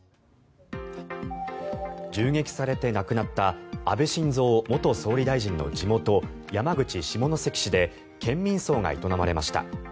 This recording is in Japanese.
銃撃されて亡くなった安倍晋三元総理大臣の地元山口・下関市で県民葬が営まれました。